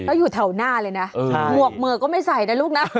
แล้วอยู่แถวหน้าเลยนะหมวกเหมือกก็ไม่ใส่นะลูกนะ